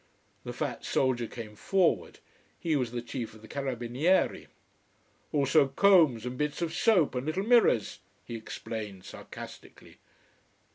The fat soldier came forward, he was the chief of the carabinieri. "Also combs and bits of soap and little mirrors," he explained sarcastically.